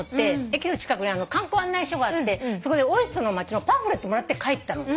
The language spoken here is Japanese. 駅の近くに観光案内所があってそこで大磯の町のパンフレットもらって帰ったの。